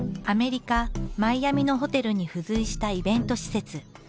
アメリカ・マイアミのホテルに付随したイベント施設。